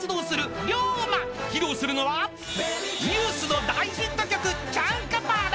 ［披露するのはＮＥＷＳの大ヒット曲『チャンカパーナ』］